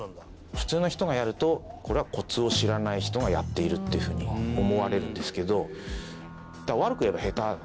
普通の人がやるとこれはコツを知らない人がやっているっていう風に思われるんですけど。